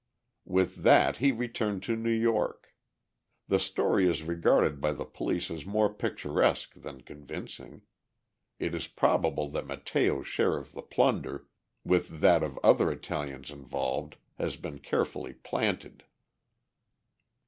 With that he returned to New York. The story is regarded by the police as more picturesque than convincing. It is probable that Matteo's share of the plunder, with that of other Italians involved, has been carefully "planted."